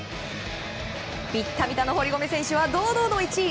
ビッタビタの堀米選手は堂々の１位。